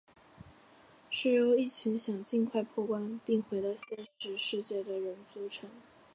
是由一群想尽快破关并回到现实世界的人组成。